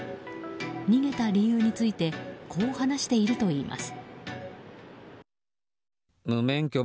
逃げた理由についてこう話しているといいます。